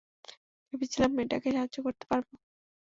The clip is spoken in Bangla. ভেবেছিলাম, মেয়েটাকে সাহায্য করতে পারব।